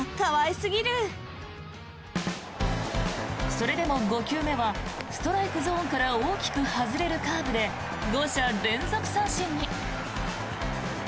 それでも５球目はストライクゾーンから大きく外れるカーブで５者連続三振に。